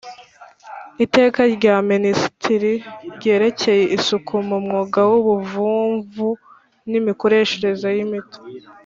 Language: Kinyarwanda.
Iteka rya Minisitiri ryerekeye isuku mu mwuga w ubuvumvu n imikoreshereze y imiti